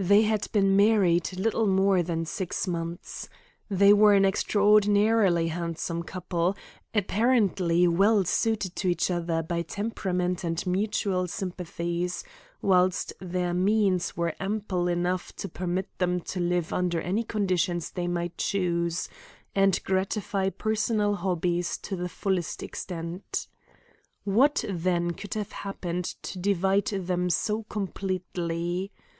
They had been married little more than six months. They were an extraordinarily handsome couple, apparently well suited to each other by temperament and mutual sympathies, whilst their means were ample enough to permit them to live under any conditions they might choose, and gratify personal hobbies to the fullest extent. What, then, could have happened to divide them so completely?